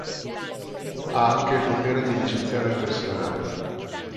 Ha anche il potere di licenziare il personale.